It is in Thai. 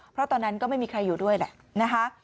เพราะตอนนั้นก็ไม่มีใครอยู่ด้วยแหละนะคะ